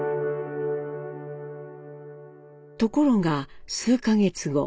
ところが数か月後。